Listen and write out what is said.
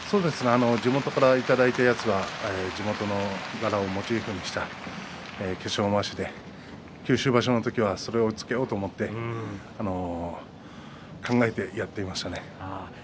地元からいただいたものが地元の柄をモチーフにした化粧まわしで九州場所の時はそれをつけようと思って考えてやっていましたね。